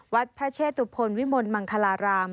วัดพระเชตุพลวิมลมังคลาราม